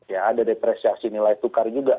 ya ada depresiasi nilai tukar juga